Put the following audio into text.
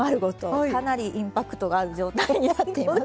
かなりインパクトがある状態になっています。